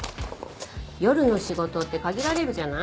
夜の仕事って限られるじゃない？